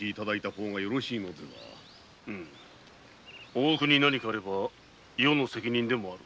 大奥に何かあれば余の責任でもある。